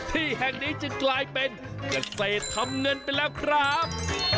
ที่แห่งนี้จึงกลายเป็นเกษตรทำเงินไปแล้วครับ